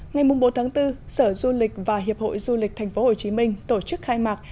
ngày bốn bốn sở du lịch và hiệp hội du lịch tp hồ chí minh tổ chức khai mạc